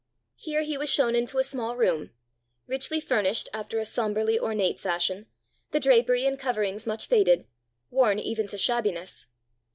Here he was shown into a small room, richly furnished after a sombrely ornate fashion, the drapery and coverings much faded, worn even to shabbiness.